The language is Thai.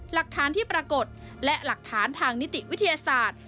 หลักฐานที่ปรากฏและหลักฐานทางนิติวิทยาศาสตร์